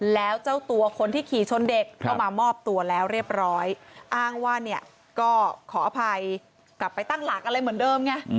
แล้วเจ้าตัวคนที่ขี่ชนเด็กก็มามอบตัวแล้วเรียบร้อยอ้างว่าเนี่ยก็ขออภัยกลับไปตั้งหลักอะไรเหมือนเดิมไง